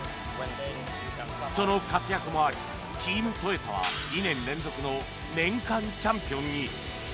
その活躍もあり、チームトヨタは２年連続の年間チャンピオンに。